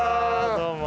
どうも。